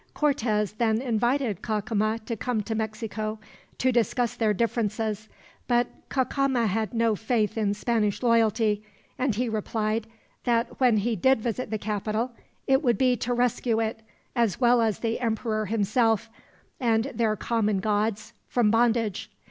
Cortez then invited Cacama to come to Mexico to discuss their differences; but Cacama had no faith in Spanish loyalty, and he replied "that when he did visit the capital, it would be to rescue it, as well as the emperor himself, and their common gods, from bondage.